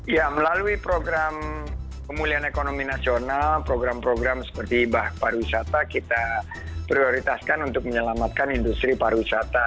ya melalui program pemulihan ekonomi nasional program program seperti pariwisata kita prioritaskan untuk menyelamatkan industri pariwisata